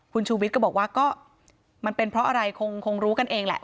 คุณชูวิทย์ก็บอกว่าก็มันเป็นเพราะอะไรคงรู้กันเองแหละ